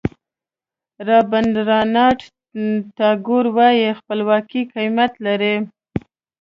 رابندراناټ ټاګور وایي خپلواکي قیمت لري.